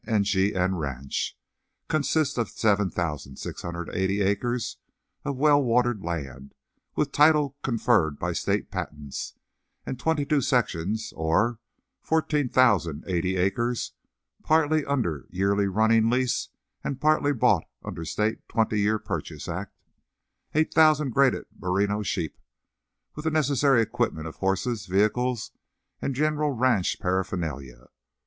and G. N. Ranch, consists of 7,680 acres of well watered land, with title conferred by State patents, and twenty two sections, or 14,080 acres, partly under yearly running lease and partly bought under State's twenty year purchase act. Eight thousand graded merino sheep, with the necessary equipment of horses, vehicles and general ranch paraphernalia.